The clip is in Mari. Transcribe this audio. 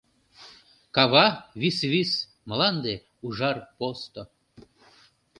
Кава — висвис, мланде — ужар посто.